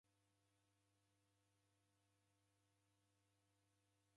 Mwaw'uka mana w'andu w'apo?